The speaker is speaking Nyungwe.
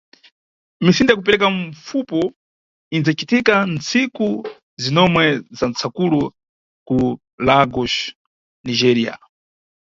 Misinda ya kupereka mpfupo inʼdzacitika ntsiku zinomwe za Tsakulo, ku Lagos, Nigéria.